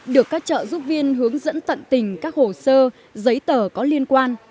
được các trợ giúp viên hướng dẫn tận tình các hồ sơ giấy tờ có liên quan